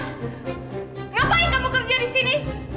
ngapain kamu kerja di sini